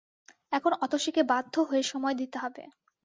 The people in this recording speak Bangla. এখন অতসীকে বাধ্য হয়ে সময় দিতে হবে।